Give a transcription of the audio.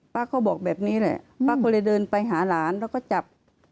เขาบอกแบบนี้แหละป้าก็เลยเดินไปหาหลานแล้วก็จับ